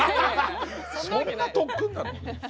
そんな特訓なの？